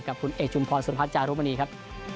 กับคุณเอชุมพอร์สุรพัชย์จารุมณีครับ